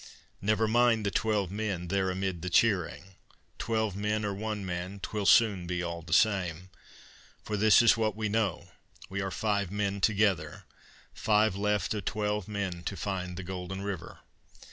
Never mind the twelve men there amid the cheering Twelve men or one man, 'twill soon be all the same; For this is what we know: we are five men together, Five left o' twelve men to find the golden river.